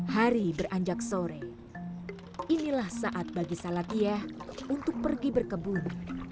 hari beranjak sore inilah saat bagi salatiyah untuk pergi berkebun